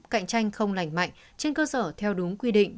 cạnh tranh không lành mạnh trên cơ sở theo đúng quy định